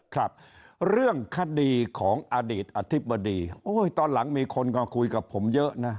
ครับเรื่องคดีของอดีตอธิบดีโอ้ยตอนหลังมีคนก็คุยกับผมเยอะนะ